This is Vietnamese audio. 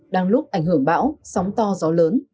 đang lúc ảnh hưởng bão sóng to gió lớn